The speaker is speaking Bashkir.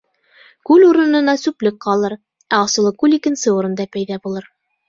Күл урынына сүплек ҡалыр, ә Асылыкүл икенсе урында пәйҙә булыр.